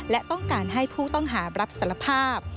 และต้องการให้ผู้ต้องหารับสารภาพ